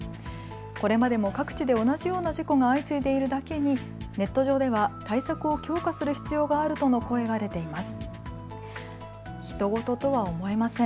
これまでも各地で同じような事故が相次いでいるだけにネット上では対策を強化する必要があるとの声が出ています。